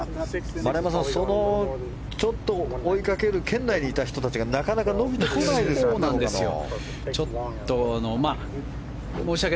丸山さん、ちょっと追いかける圏内にいた人たちがなかなか伸びてこないですね。